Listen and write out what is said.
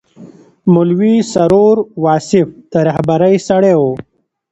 مولوي سرور واصف د رهبرۍ سړی و.